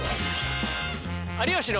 「有吉の」。